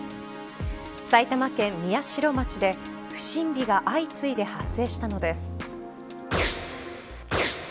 埼玉県宮代町で不審火が相次いで発生したのです。